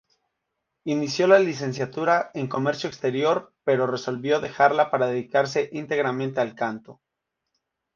Inició la licenciatura en Comercio Exterior pero resolvió dejarla para dedicarse íntegramente al canto.